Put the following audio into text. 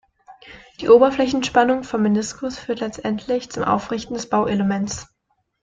Die Oberflächenspannung vom Meniskus führt letztlich zum Aufrichten des Bauelements.